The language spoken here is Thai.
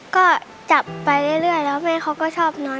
ก็จับไปเรื่อยแล้วแม่เขาก็ชอบนอน